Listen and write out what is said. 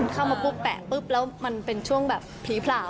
เข้ามาปุ๊บแปะปุ๊บแล้วมันเป็นช่วงแบบผีเผลา